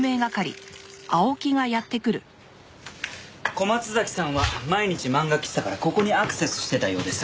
小松崎さんは毎日漫画喫茶からここにアクセスしてたようです。